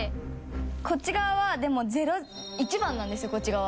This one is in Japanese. こっち側はでも「０」１番なんですよこっち側は。